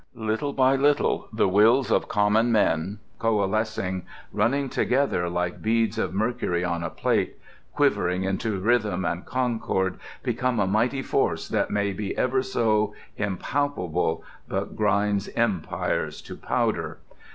Little by little the wills of common men, coalescing, running together like beads of mercury on a plate, quivering into rhythm and concord, become a mighty force that may be ever so impalpable, but grinds empires to powder.